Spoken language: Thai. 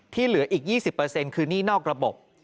เหลืออีก๒๐คือหนี้นอกระบบ